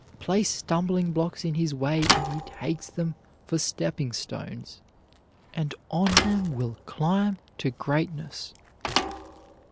Place stumbling blocks in his way and he takes them for stepping stones, and on them will climb to greatness.